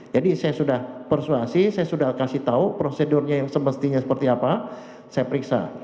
jadi saya sudah persuasi saya sudah kasih tahu prosedurnya yang semestinya seperti apa saya periksa